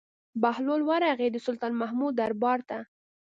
بهلول ورغى د سلطان محمود دربار ته.